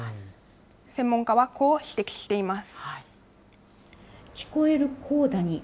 専門家はこう指摘しています。